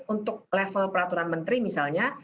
untuk level peraturan menteri misalnya